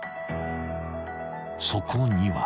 ［そこには］